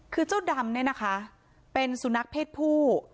คือเจ้าดำเนี่ยนะคะเป็นสุนัขเพศผู้